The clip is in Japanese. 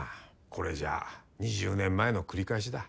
これじゃあ２０年前の繰り返しだ。